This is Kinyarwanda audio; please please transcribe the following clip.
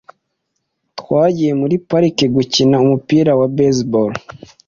Twagiye muri parike gukina umupira wa baseball .